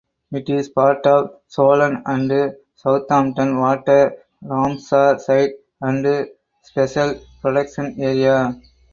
It is part of Solent and Southampton Water Ramsar site and Special Protection Area.